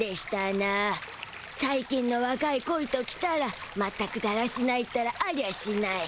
さい近のわかいコイときたらまったくだらしないったらありゃしない。